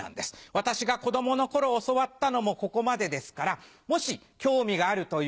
私が子供の頃教わったのもここまでですからもし興味があるという方